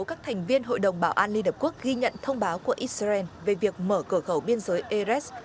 các thành viên hội đồng bảo an liên hợp quốc ghi nhận thông báo của israel về việc mở cửa khẩu biên giới eres